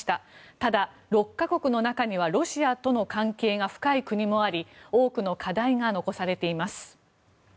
ただ６か国の中にはロシアとの関係が深い国もあり多くの課題が残されています。